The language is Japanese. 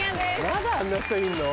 まだあんな人いんの？